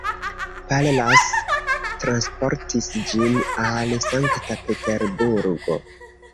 Pallas transportis ĝin al Sankta-Peterburgo.